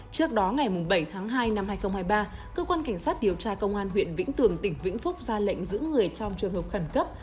trước đó ngày bảy tháng hai năm hai nghìn hai mươi ba cơ quan cảnh sát điều tra công an huyện vĩnh tường tỉnh vĩnh phúc ra lệnh giữ người trong trường hợp khẩn cấp